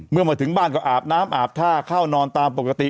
เมื่อมาถึงบ้านก็อาบน้ำอาบท่าเข้านอนตามปกติ